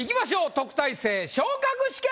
「特待生昇格試験」！